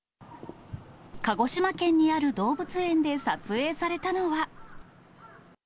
鹿児島県にある動物園で撮影されたのは。